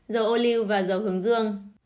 dầu ô lưu và dầu hướng dương